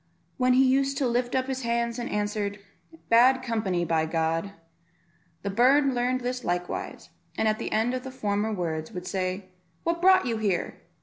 when he used to lift up his hands and answer, "Bad company, by G ." The bird learned this likewise, and at the end of the former words, would say, "What brought you here?